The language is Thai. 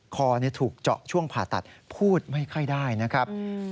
คอถูกเจาะช่วงผ่าตัดพูดไม่ค่อยได้นะครับ